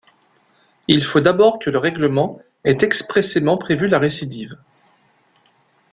Il faut d'abord que le règlement ait expressément prévu la récidive.